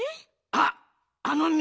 あっあのみ。